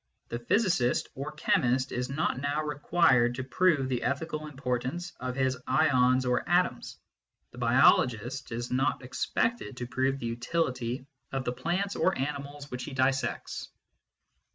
The physicist or chemist is not now required to prove the ethical im portance of his ions or atoms ; the biologist is not expected to prove the utility of the plants or animals 30 MYSTICISM AND LOGIC which he dissects.